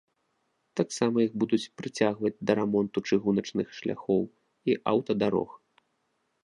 Таксама іх будуць прыцягваць да рамонту чыгуначных шляхоў і аўтадарог.